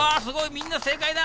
みんな正解だ。